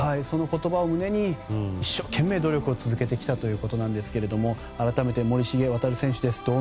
その言葉を胸に一生懸命、努力を続けてきたということですが改めて森重航選手です。